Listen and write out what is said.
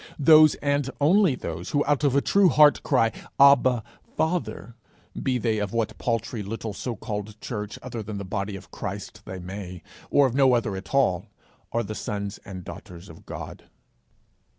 Those and only those who out of a true heart cry 'Abba, Father,' be they of what paltry little so called church, other than the body of Christ, they may, or of no otherat all, are the sons and daughters of God.